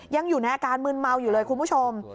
ยังอยู่ในอาการมืนเมาอยู่เลยคุณผู้ชม